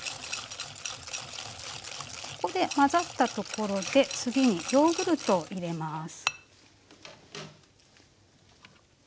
ここで混ざったところで次にヨーグルトを入れます。